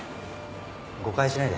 誤解しないで。